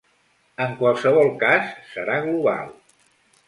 En qualsevol cas, serà global.